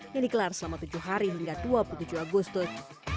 yang dikelar selama tujuh hari hingga dua puluh tujuh agustus